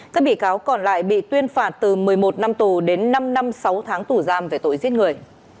các bị cáo còn lại bị tuyên phạt từ một mươi một năm tù đến năm năm sáu tháng tù giam về tội giết người